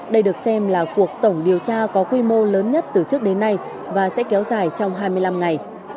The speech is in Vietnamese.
đây được xem là cuộc tổng điều tra có quy mô lớn nhất từ trước đến nay và sẽ kéo dài trong hai mươi năm ngày